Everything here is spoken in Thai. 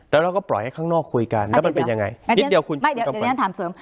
แล้วเราก็ปล่อยให้ข้างนอกคุยกันแล้วมันเป็นยังไงนิดเดียวคุณไม่เดี๋ยวเดี๋ยวฉันถามเสริม